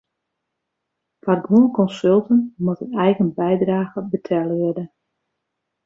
Foar guon konsulten moat in eigen bydrage betelle wurde.